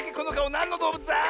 なんのどうぶつだ？